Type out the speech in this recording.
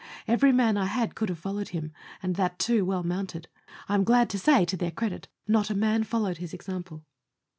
Every man I had could have followed him, and that, too, well mounted. I am glad to say, to their credit, not a man followed his example.